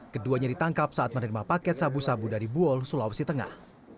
keduanya ditangkap saat menerima paket sabu sabu dari buol sulawesi tengah